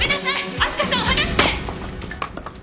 明日香さんを放して！